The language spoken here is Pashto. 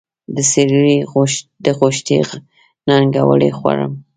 د سېرلي د غوښې ننګولی خورم